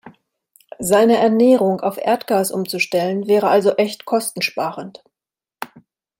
Seine Ernährung auf Erdgas umzustellen, wäre also echt kostensparend.